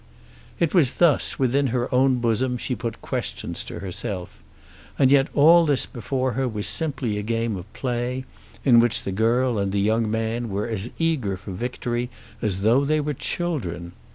It was thus, within her own bosom, she put questions to herself. And yet all this before her was simply a game of play in which the girl and the young man were as eager for victory as though they were children.